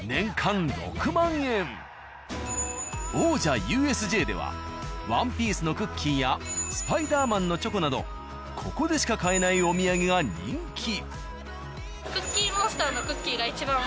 王者ＵＳＪでは「ＯＮＥＰＩＥＣＥ」のクッキーや「スパイダーマン」のチョコなどここでしか買えないお土産が人気。